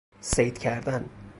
صید کردن